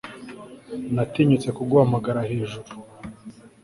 Natinyutse kuguhamagara hejuru